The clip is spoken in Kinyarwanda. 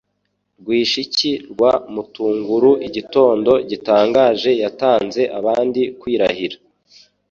Rwishiki rwa Matunguru igitondo gitangaje yatanze abandi kwirahira